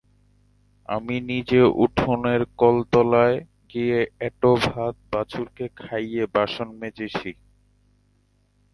আমি নিজে উঠোনের কলতলায় গিয়ে এঁটো ভাত বাছুরকে খাইয়ে বাসন মেজেছি।